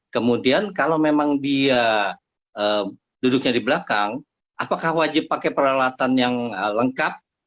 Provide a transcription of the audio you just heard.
kemudian kalau memang dia duduknya di belakang apakah wajib pakai peralatan yang lengkap